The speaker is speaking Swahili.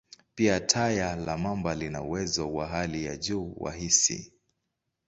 Pia, taya la mamba lina uwezo wa hali ya juu wa hisi.